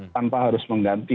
tanpa harus mengganti